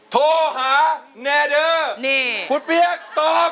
โทษหาแน่เด้อโทษหาแน่เด้อนี่คุณเปี๊ยกตอบ